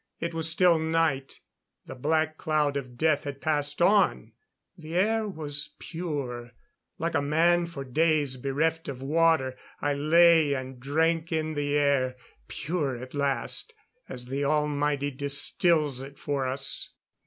It was still night; the black cloud of death had passed on; the air was pure. Like a man for days bereft of water, I lay and drank in the air, pure at last, as the Almighty distils it for us.